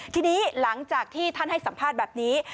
ทีนี้หลังจากที่ท่านให้สัมภาษณ์แบบนี้